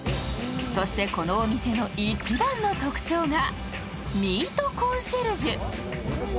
そしてこのお店の一番の特徴がミートコンシェルジュ。